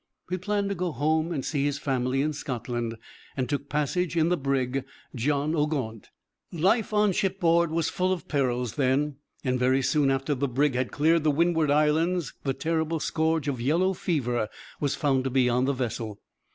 He planned to go home and see his family in Scotland, and took passage in the brig John o' Gaunt. Life on shipboard was full of perils then, and very soon after the brig had cleared the Windward Islands the terrible scourge of yellow fever was found to be on the vessel.